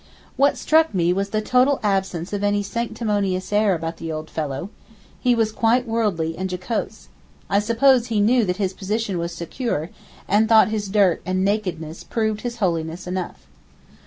What struck me was the total absence of any sanctimonious air about the old fellow, he was quite worldly and jocose; I suppose he knew that his position was secure, and thought his dirt and nakedness proved his holiness enough.